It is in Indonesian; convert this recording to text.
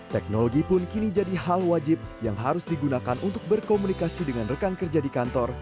teknologi pun kini jadi hal wajib yang harus digunakan untuk berkomunikasi dengan rekan kerja di kantor